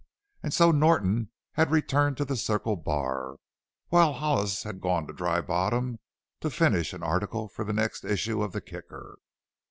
And so Norton had returned to the Circle Bar, while Hollis had gone to Dry Bottom to finish an article for the next issue of the Kicker.